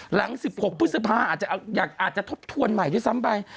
หลัง๑๖พฤษภาอาจจะทบทวนใหม่ด้วยซ้ำไป